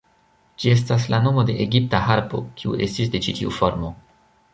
Ĝi estas la nomo de egipta harpo, kiu estis de ĉi tiu formo".